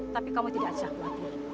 tapi kamu tidak sangka